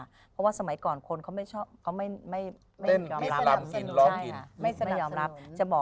เพราะว่าสมัยก่อนคนเขาไม่ชอบเขาไม่จะยอมรับ